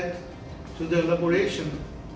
ini juga menyebabkan